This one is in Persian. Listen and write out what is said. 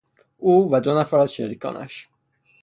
او و دو نفر از شریکانش